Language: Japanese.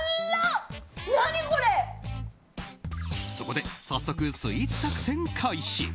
そこで早速スイーツ作戦開始。